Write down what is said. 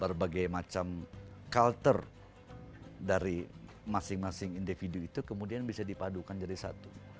berbagai macam culture dari masing masing individu itu kemudian bisa dipadukan jadi satu